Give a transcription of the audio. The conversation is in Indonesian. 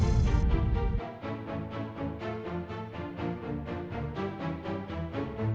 tante udah jauh lebih baik